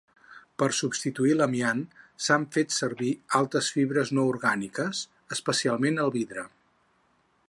Per substituir l'amiant, s'han fet servir altres fibres no orgàniques, especialment el vidre.